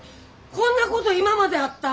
こんなこと今まであった？